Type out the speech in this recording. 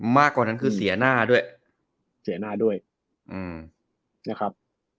มากกว่านั้นคือเสียหน้าด้วยเสียหน้าด้วยนะครับ